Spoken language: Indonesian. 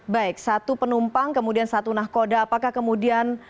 baik satu penumpang kemudian satu nahkoda apakah kemudian